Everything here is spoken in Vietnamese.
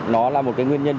nó là một cái nguyên nhân